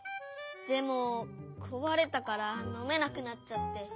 でもこわれたからのめなくなっちゃって。